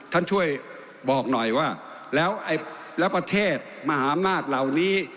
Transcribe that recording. ท่านช่วยบอกหน่อยว่าแล้วประเทศมหาอำนาจเหล่านี้